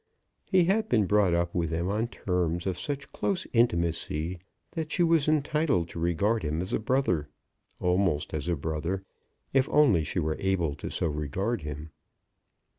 He had been brought up with them on terms of such close intimacy that she was entitled to regard him as a brother, almost as a brother, if only she were able so to regard him.